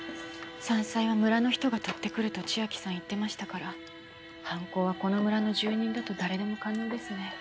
山菜は村の人が採ってくると千秋さん言ってましたから犯行はこの村の住人だと誰でも可能ですね。